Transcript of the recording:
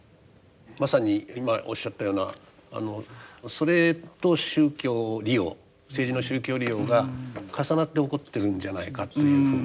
まさに今おっしゃったようなそれと宗教利用政治の宗教利用が重なって起こってるんじゃないかというふうに。